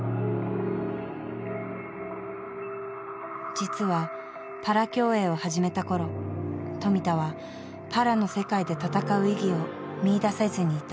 実はパラ競泳を始めた頃富田はパラの世界で戦う意義を見いだせずにいた。